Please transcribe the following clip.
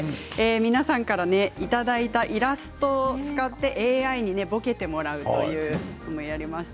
皆さんからいただいたイラストを使ってＡＩにぼけてもらうということをやりました。